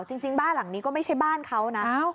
จริงบ้านหลังนี้ก็ไม่ใช่บ้านเขานะ